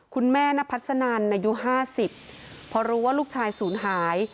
คุณแม่นพัฒนันอายุ๕๐พอรู้ว่าลูกชายศูนย์หาย